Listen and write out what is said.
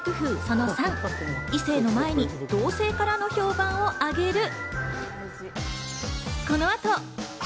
その３、異性の前に同性からの評判をあげる。